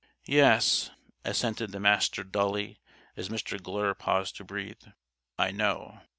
"Yes," assented the Master dully, as Mr. Glure paused to breathe. "I know."